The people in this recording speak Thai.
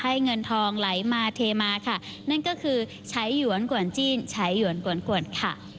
เงินทองไหลมาเทมาค่ะนั่นก็คือใช้หยวนกวนจีนใช้หยวนกวนกวดค่ะ